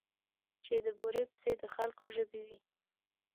چې د بورې پسې د خلکو ژبې وې.